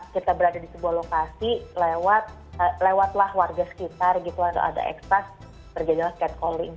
kita berada di sebuah lokasi lewat lewat lah warga sekitar gitu ada eksas terjadilah catcalling